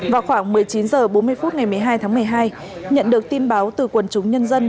vào khoảng một mươi chín h bốn mươi phút ngày một mươi hai tháng một mươi hai nhận được tin báo từ quần chúng nhân dân